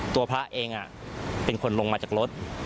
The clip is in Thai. พระเองเป็นคนลงมาจากรถ